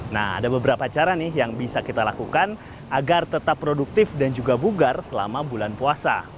nah ada beberapa cara nih yang bisa kita lakukan agar tetap produktif dan juga bugar selama bulan puasa